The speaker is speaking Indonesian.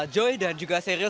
joy dan juga serius